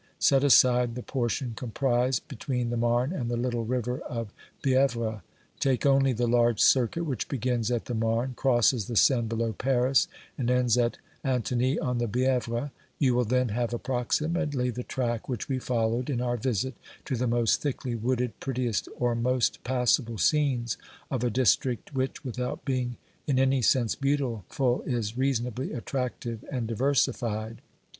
Set aside the portion comprised between the Marne and the little river of Bievre; take only the large circuit which begins at the Marne, crosses the Seine below Paris, and ends at Antony on the Bievre ; you will then have approximately the track which we followed in our visit to the most thickly wooded, prettiest, or most passable scenes of a district which, without being in any sense beautiful, is reasonably attractive and diversified.